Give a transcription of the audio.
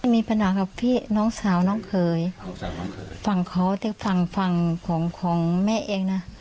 มีภานะกับพี่น้องสาวน้องเคยฝั่งเขาแต่ฝั่งของแม่เองนะ